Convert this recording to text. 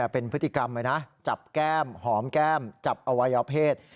เป็นพฤติกรรมเลยนะจับแก้มหอมแก้มจับอวัยวเพศ